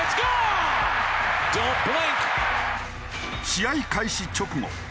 試合開始直後